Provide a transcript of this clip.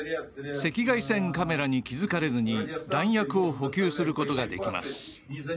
赤外線カメラに気付かれずに弾薬を補給することができます。